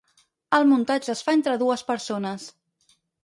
El muntatge es fa entre dues persones.